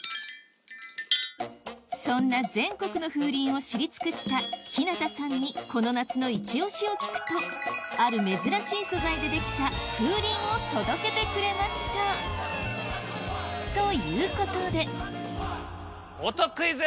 そんな全国の風鈴を知り尽くした日向さんにこの夏のイチオシを聞くとある珍しい素材でできた風鈴を届けてくれましたということで音クイズ。